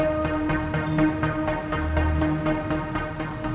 dan setelah itu